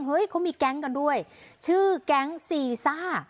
เขามีแก๊งกันด้วยชื่อแก๊งซีซ่า